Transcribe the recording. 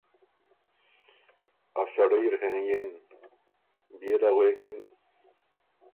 ا سړئ اِر هېںئِن“ بيې له غوېکِن